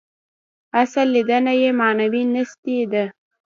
اصل لېدنه یې معنوي نیستي ده.